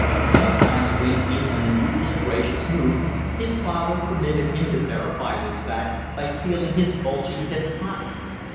Sometimes, when in an unusually gracious mood, his father permitted him to verify this fact by feeling his bulging hip pocket.